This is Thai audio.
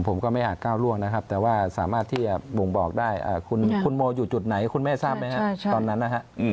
ผมก็ไม่อาจก้าวล่วงนะครับแต่ว่าสามารถที่จะบ่งบอกได้คุณโมอยู่จุดไหนคุณแม่ทราบไหมครับตอนนั้นนะฮะ